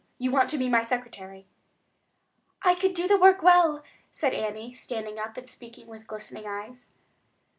You want to be my secretary?" "I could do the work well," said Annie, standing up and speaking with glistening eyes.